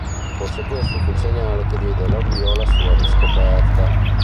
Forse questo fu il segnale che diede l'avvio alla sua riscoperta.